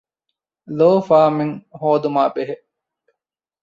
ލޯފާމެއް ހޯދުމާ ބެހޭ